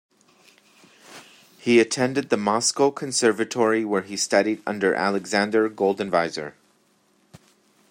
He attended the Moscow Conservatory where he studied under Alexander Goldenweiser.